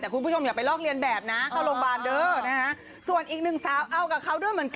คุณผู้ชมเดี๋ยวไปดูก่อน